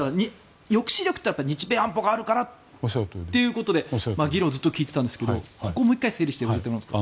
抑止力って日米安保があるからということで議論をずっと聞いていたんですがここをもう１回整理してもらっていいですか。